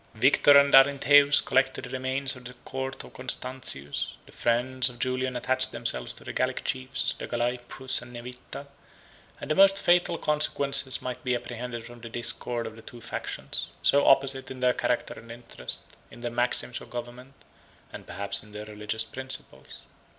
Victor and Arinthæus collected the remains of the court of Constantius; the friends of Julian attached themselves to the Gallic chiefs, Dagalaiphus and Nevitta; and the most fatal consequences might be apprehended from the discord of two factions, so opposite in their character and interest, in their maxims of government, and perhaps in their religious principles.